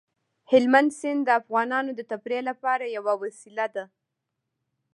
هلمند سیند د افغانانو د تفریح لپاره یوه وسیله ده.